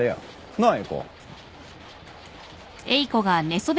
なあ英子。